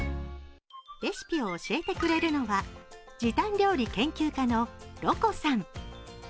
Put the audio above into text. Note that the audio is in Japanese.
レシピを教えてくれるのは、時短料理研究家の、ろこさん。